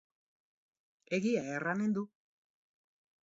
Egia erranen du.